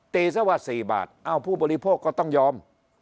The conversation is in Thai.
ซะว่า๔บาทเอ้าผู้บริโภคก็ต้องยอม